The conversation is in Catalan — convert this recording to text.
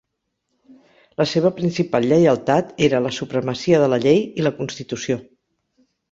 La seva principal lleialtat era la supremacia de la llei i la constitució.